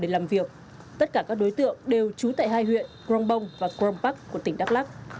làm việc tất cả các đối tượng đều trú tại hai huyện grongbong và grongpak của tỉnh đắk lắc